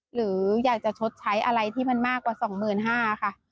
หรืออยากจะชดใช้อะไรที่มันมากกว่า๒๕๐๐บาทค่ะ